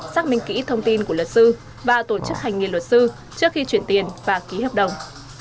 xác minh kỹ thông tin của luật sư và tổ chức hành nghề luật sư trước khi chuyển tiền và ký hợp đồng